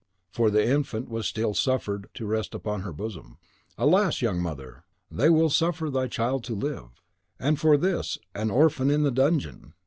for the infant was still suffered to rest upon her bosom. "Alas, young mother, they will suffer thy child to live.' "And for this, an orphan in the dungeon!"